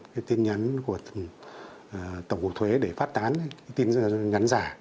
cái tin nhắn của tổng cục thuế để phát tán tin nhắn giả